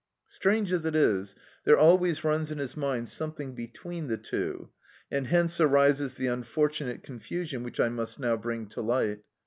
Strange as it is, there always runs in his mind something between the two, and hence arises the unfortunate confusion which I must now bring to light.